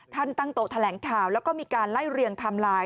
ท่านตั้งโตะแถลงข่าวแล้วก็มีการไล่เรียงทำลาย